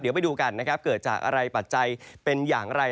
เดี๋ยวไปดูกันนะครับเกิดจากอะไรปัจจัยเป็นอย่างไร